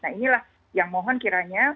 nah inilah yang mohon kiranya